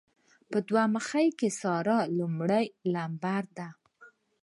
په دوه مخۍ کې ساره لمړی لمبر ده.